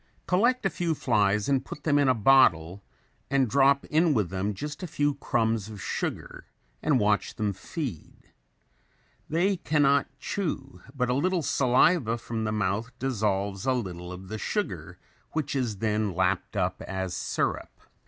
Collect a few flies and put them in a bottle and drop in with them just a few crumbs of sugar and watch them feed. They cannot chew but a little saliva from the mouth dissolves a little of the sugar which is then lapped up as syrup.